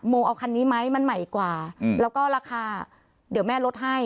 เอาคันนี้ไหมมันใหม่กว่าแล้วก็ราคาเดี๋ยวแม่ลดให้